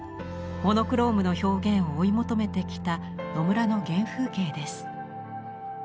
モノクロームの表現を追い求めてきた野村の原風景です。